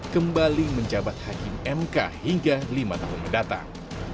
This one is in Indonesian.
kembali menjabat hakim mk hingga lima tahun mendatang